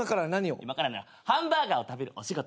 今からねハンバーガーを食べるお仕事。